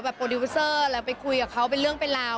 โปรดิวเซอร์แล้วไปคุยกับเขาเป็นเรื่องเป็นราว